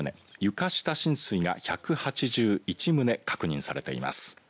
床下浸水が１８１棟確認されています。